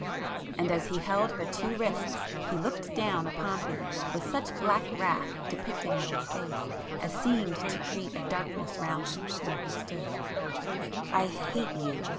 and as he held her two wrists he looked down upon her with such black wrath depicted in his face as seemed to create a darkness round him where he stood,—"I hate you!